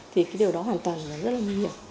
thì cái điều đó hoàn toàn là rất là nguy hiểm